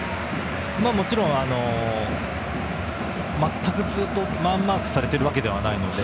もちろん、全くずっとマンマークをされているわけではないので。